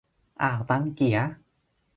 อ่าวตังเกี๋ย